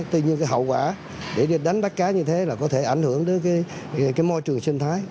tuy nhiên cái hậu quả để đánh bắt cá như thế là có thể ảnh hưởng đến cái môi trường sinh thái